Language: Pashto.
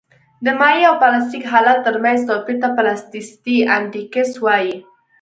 د مایع او پلاستیک حالت ترمنځ توپیر ته پلاستیسیتي انډیکس وایي